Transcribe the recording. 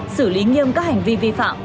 xử lý nghiêm các hành vi vi phạm